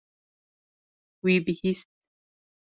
Wî bihîst.